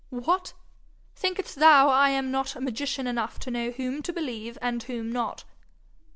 What! think'st thou I am not magician enough to know whom to believe and whom not?